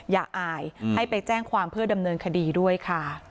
อย่าอายให้ไปแจ้งความเพื่อดำเนินคดีด้วยค่ะ